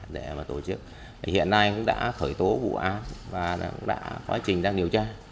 để tổ chức hiện nay cũng đã khởi tố vụ án và quá trình đang điều tra